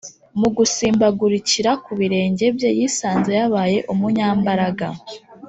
. Mu gusimbagurikira ku birenge bye, yisanze yabaye umunyambaraga